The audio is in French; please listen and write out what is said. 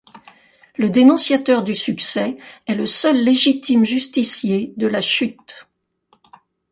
Le dénonciateur du succès est le seul légitime justicier de la chute.